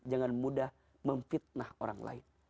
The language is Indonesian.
jangan mudah memfitnah orang lain